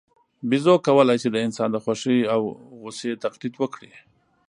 بیزو کولای شي د انسان د خوښۍ او غوسې تقلید وکړي.